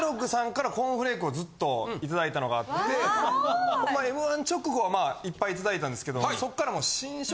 ずっといただいたのがあって『Ｍ−１』直後はまあいっぱいいただいたんですけどそっからもう。